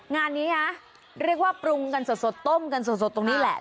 งานนี้นะเรียกว่าปรุงกันสดต้มกันสดตรงนี้แหละ